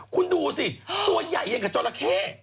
คุณดูสิตัวใหญ่อย่างกับจราเข้